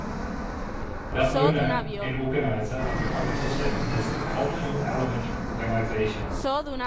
The owner and organizer of the competition is the Cultural Element organization.